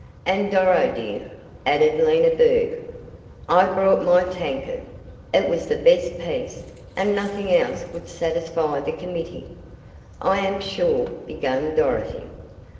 "And, Doro, dear," added Lena Berg, "I brought my tankard. It was the best piece, and nothing else would satisfy the committee." "I am sure " began Dorothy.